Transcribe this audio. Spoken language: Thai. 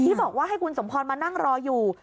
บอกว่าให้คุณสมพรมานั่งรออยู่